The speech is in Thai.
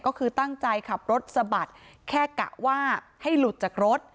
ก็คือตั้งใจขับรถสะบัดแค่กะว่าให้หลุดจากรถ